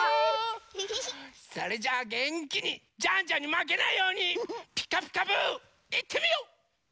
それじゃあげんきにジャンジャンにまけないように「ピカピカブ！」いってみよう！